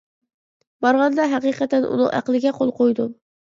بارغاندا ھەقىقەتەن ئۇنىڭ ئەقلىگە قول قويدۇم.